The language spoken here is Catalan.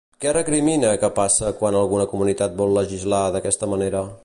Què recrimina que passa quan alguna comunitat vol legislar d'aquesta manera?